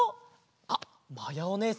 あっまやおねえさん